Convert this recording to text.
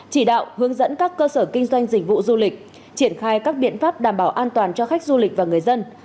chỉ đạo hướng dẫn các cơ sở kinh doanh dịch vụ du lịch triển khai các biện pháp đảm bảo an toàn cho khách du lịch và người dân